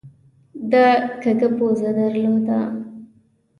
ده کږه پزه درلوده.